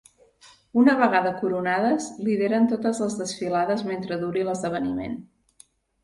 Una vegada coronades, lideren totes les desfilades mentre duri l'esdeveniment.